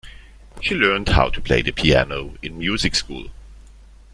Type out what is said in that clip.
She learned how to play the piano in music school.